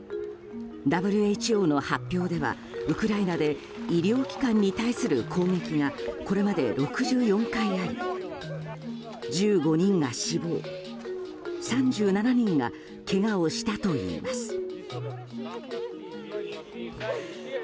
ＷＨＯの発表では、ウクライナで医療機関に対する攻撃がこれまで６４回あり１５人が死亡３７人がけがをしたといいます。